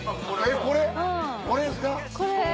これですか？